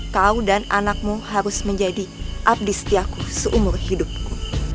kau dan anakmu harus menjadi abdisetiaku seumur hidupku